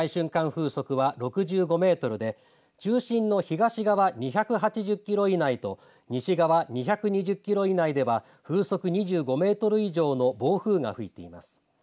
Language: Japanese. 風速は６５メートルで中心の東側２８０キロ以内と西側２２０キロ以内では風速２５メートル以上の暴風が吹いています。